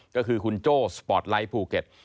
ก็คือคุณโจ้สปอร์ตไลท์ภูเก็ต